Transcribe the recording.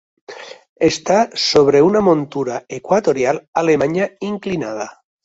Està sobre una muntura equatorial alemanya inclinada.